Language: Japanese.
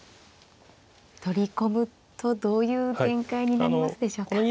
取り込むとどういう展開になりますでしょうか。